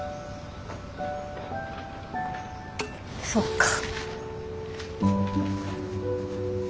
そっか。